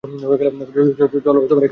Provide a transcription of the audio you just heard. চল এখান থেকে এক্ষুনি চলে যাই।